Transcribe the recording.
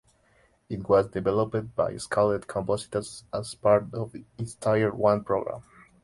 It was developed by Scaled Composites as part of its Tier One program.